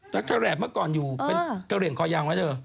ตั๊กแถลกเมื่อก่อนในกรียังคอยาวมั้ยเธอ